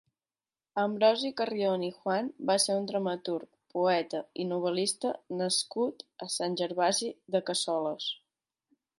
Ambrosi Carrion i Juan va ser un dramaturg, poeta i novel·lista nascut a Sant Gervasi de Cassoles.